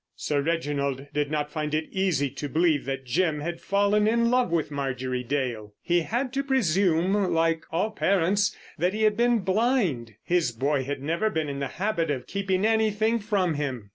Sir Reginald did not find it easy to believe that Jim had fallen in love with Marjorie Dale. He had to presume, like all parents, that he had been blind. His boy had never been in the habit of keeping anything from him.